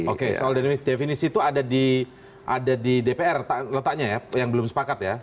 oke soal definisi itu ada di dpr letaknya ya yang belum sepakat ya